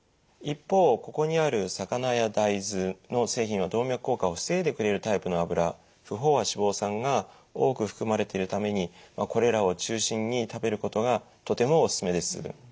一方ここにある魚や大豆の製品は動脈硬化を防いでくれるタイプの脂不飽和脂肪酸が多く含まれているためにこれらを中心に食べることがとてもおすすめです。